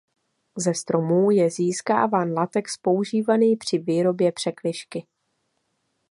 Ze stromů je získáván latex používaný při výrobě překližky.